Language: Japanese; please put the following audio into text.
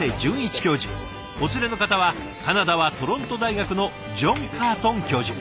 お連れの方はカナダはトロント大学のジョン・カートン教授。